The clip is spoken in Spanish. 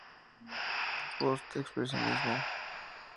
Post Expresionismo.